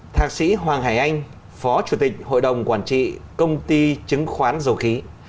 thạc sĩ hoàng hải anh phó chủ tịch hội đồng quản trị công ty chứng khoán dầu khí